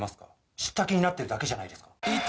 知った気になっているだけじゃないですか？